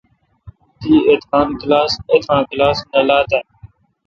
تی ایتھان کلاس نہ لات اؘ۔